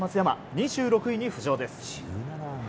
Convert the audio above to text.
２６位に浮上です。